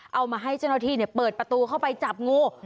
เอามาให้เจ้าหน้าที่เปิดประตูเข้าไปจับงู